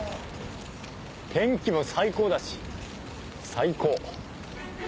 天気も最高だし最高！